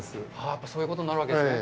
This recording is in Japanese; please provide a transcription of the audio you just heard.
やっぱり、そういうことになるわけですね。